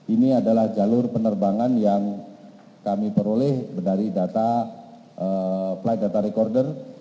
ini adalah jalur penerbangan yang kami peroleh dari data flight data recorder